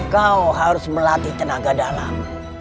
kau harus melatih tenaga dalam